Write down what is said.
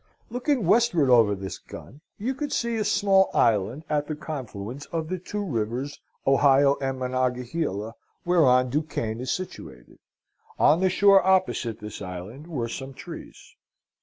Looking westward over this gun, you could see a small island at the confluence of the two rivers Ohio and Monongahela whereon Duquesne is situated. On the shore opposite this island were some trees.